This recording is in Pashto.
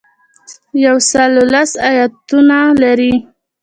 یو سل لس ایاتونه لري.